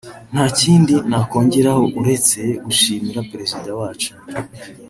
nta kindi nakongeraho uretse gushimira Perezida wacu